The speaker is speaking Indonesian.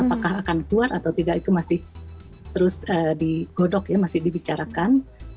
apakah akan keluar atau tidak itu masih terus digodok ya masih dibicarakan